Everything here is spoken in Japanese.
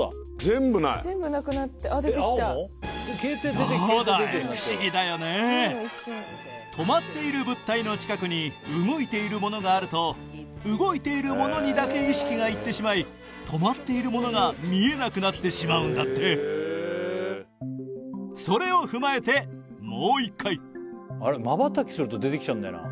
全部ない全部なくなってあっ出てきた止まっている物体の近くに動いているものがあると動いているものにだけ意識がいってしまい止まっているものが見えなくなってしまうんだってそれを踏まえてもう一回まばたきすると出てきちゃうんだよな